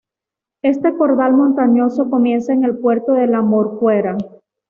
Este cordal montañoso comienza en el puerto de la Morcuera.